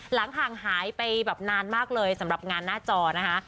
ห่างหายไปแบบนานมากเลยสำหรับงานหน้าจอนะคะ